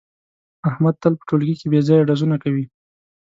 احمد تل په ټولگي کې بې ځایه ډزونه کوي.